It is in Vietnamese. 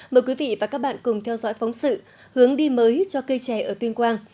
mời quý vị và các bạn cùng theo dõi phóng sự hướng đi mới cho cây trẻ ở tuyên quang